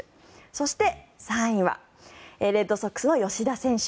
そして、３位はレッドソックスの吉田選手。